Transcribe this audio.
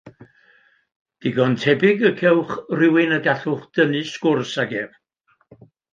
Digon tebyg y cewch rywun y gallwch dynnu sgwrs ag ef.